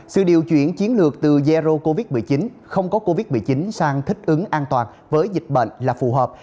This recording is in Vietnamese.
sự điều chuyển chiến lược từ zero covid một mươi chín không có covid một mươi chín sang thích ứng an toàn với dịch bệnh là phù hợp